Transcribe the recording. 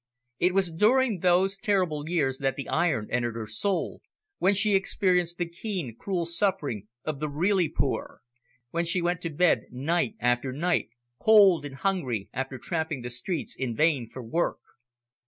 It was during those terrible years that the iron entered her soul, when she experienced the keen, cruel suffering of the really poor, when she went to bed night after night, cold and hungry, after tramping the streets in vain for work.